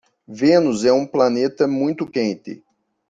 Vênus é um planeta muito quente.